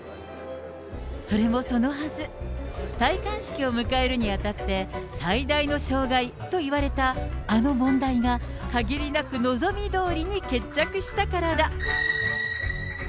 それもそのはず、戴冠式を迎えるにあたって、最大の障害といわれた、あの問題が、かぎりなく望みどおりに決着したからだ。